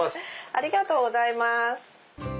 ありがとうございます。